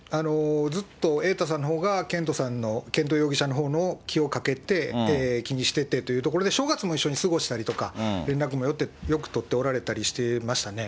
ずっと瑛太さんのほうが絢斗さんの、絢斗容疑者のほうの気をかけて、気にしててというところで、正月も一緒に過ごしたりとか、連絡もよく取っておられたりしてましたね。